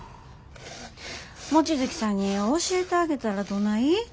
望月さんに教えてあげたらどない？